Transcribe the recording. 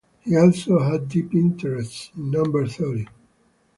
He also had deep interests in number theory.